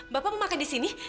bapak mau makan di sini